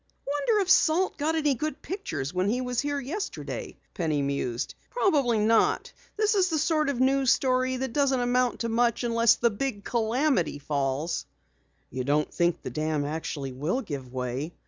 "Wonder if Salt got any good pictures when he was here yesterday?" Penny mused. "Probably not. This is the sort of news story that doesn't amount to much unless the big calamity falls." "You don't think the dam actually will give way?"